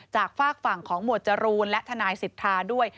ฝากฝั่งของหมวดจรูนและทนายสิทธาด้วย